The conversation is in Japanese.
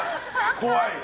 怖い！